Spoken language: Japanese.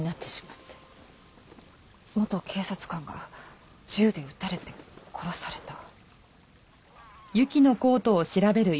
元警察官が銃で撃たれて殺された。